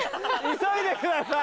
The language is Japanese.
急いでください。